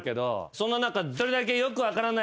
そんな中。